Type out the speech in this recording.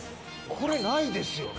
これないですよね。